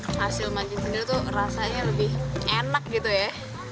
kalau ikan hasil mancing sendiri itu rasanya lebih enak gitu ya